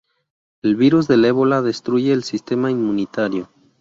El virus del Ébola destruye el sistema inmunitario.